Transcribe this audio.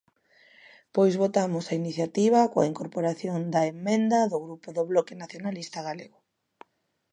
Pois votamos a iniciativa coa incorporación da emenda do Grupo do Bloque Nacionalista Galego.